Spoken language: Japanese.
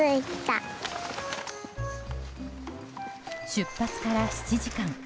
出発から７時間。